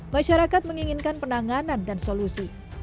masyarakat menginginkan penanganan dan solusi